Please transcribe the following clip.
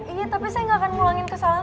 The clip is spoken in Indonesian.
iya tapi saya tidak akan mengulangi kesalahan